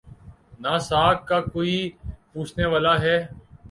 نہ ساکھ کا کوئی پوچھنے والا ہے۔